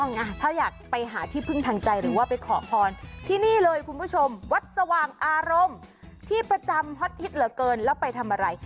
ถ้าอยากไปหาที่พึ่งทางใจหรือว่าไปขอพรที่นี่เลยคุณผู้ชมวัดสว่างอารมณ์ที่ประจำฮอตฮิตเหลือเกินแล้วไปทำอะไร